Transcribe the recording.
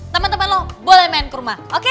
temen temen lo boleh main ke rumah oke